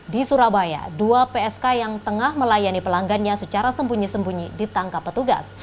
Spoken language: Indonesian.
di surabaya dua psk yang tengah melayani pelanggannya secara sembunyi sembunyi ditangkap petugas